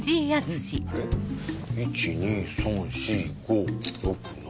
あれっ１・２・３・４・５・６・７。